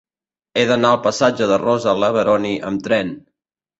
He d'anar al passatge de Rosa Leveroni amb tren.